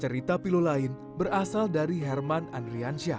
cerita pilo lain berasal dari herman andriansyah